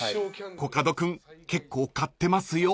［コカド君結構買ってますよ］